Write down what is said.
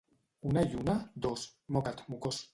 —Una i una? —Dos. —Moca't, mocós.